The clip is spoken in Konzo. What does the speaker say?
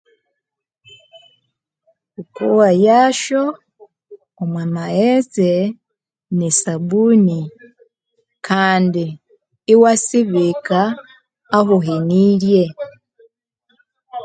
Wukawoyashu omwamaghetse nesabuni Kandi iwasibika ahahenirye